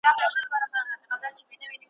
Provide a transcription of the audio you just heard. یوه شېبه دي له رقیبه سره مل نه یمه `